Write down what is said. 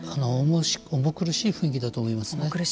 重苦しい雰囲気だと思いますね。